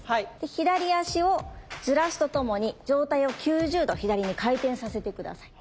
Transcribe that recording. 左足をずらすとともに上体を９０度左に回転させて下さい。